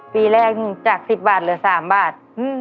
ปีแรกจาก๑๐บาทเหลือ๓บาท